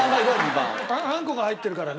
あんこが入ってるからね。